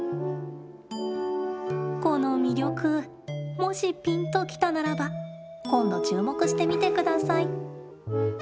この魅力もしピンと来たならば今度、注目してみてください。